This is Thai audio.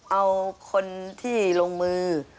เอาคนที่ลงมือ